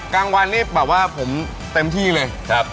กลางวันนี้แบบว่าผมเต็มที่เลย